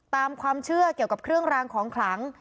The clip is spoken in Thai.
ตามความเชื่อเกี่ยวกับเครื่องรางของขลัง